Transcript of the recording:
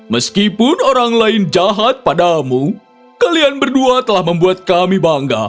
meskipun orang lain jahat padamu kalian berdua telah membuat kami bangga